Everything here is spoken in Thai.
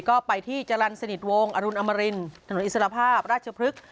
ก็ไปที่จรรย์สนิทวงอรุณอมรินถนนอิสระภาพราชพฤกษ์